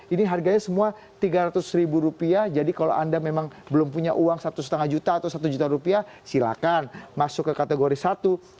ini harganya semua tiga ratus ribu rupiah jadi kalau anda memang belum punya uang satu lima juta atau satu juta rupiah silahkan masuk ke kategori satu